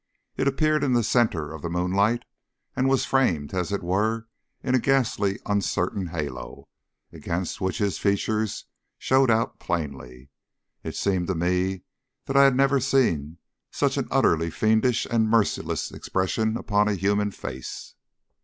It appeared in the centre of the moonlight, and was framed as it were in a ghastly uncertain halo, against which his features showed out plainly. It seemed to me that I had never seen such an utterly fiendish and merciless expression upon a human face.